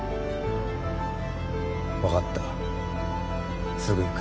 分かったすぐ行く。